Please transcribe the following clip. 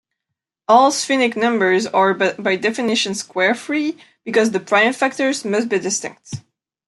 All sphenic numbers are by definition squarefree, because the prime factors must be distinct.